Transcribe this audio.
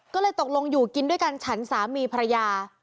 ก็เลยตกลงอยู่กินด้วยกันฉันสามีภรรยา